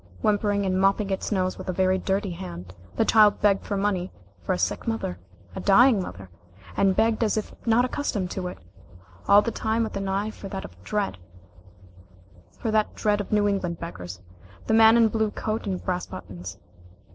Whimpering and mopping its nose with a very dirty hand, the child begged money for a sick mother a dying mother and begged as if not accustomed to it all the time with an eye for that dread of New England beggars, the man in the blue coat and brass buttons.